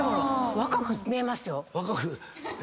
若く見えます？